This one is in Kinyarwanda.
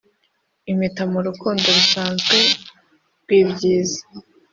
impeta mu rukundo rusanzwe rwibyiza.